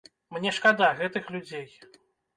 Мне шкада гэтых людзей.